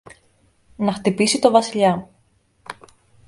να χτυπήσει το Βασιλιά.